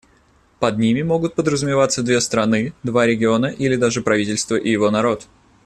Под ними могут подразумеваться две страны, два региона или даже правительство и его народ.